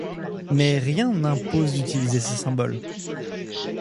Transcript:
Mais rien n'impose d'utiliser ces symboles.